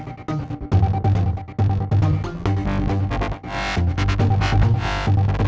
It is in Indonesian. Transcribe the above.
aku tau gue ngerti gak